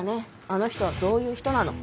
あの人はそういう人なの。